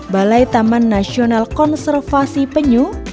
balai taman nasional konservasi penyu